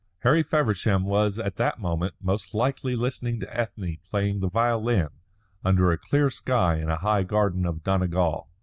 Harry Feversham was at that moment most likely listening to Ethne playing the violin under a clear sky in a high garden of Donegal.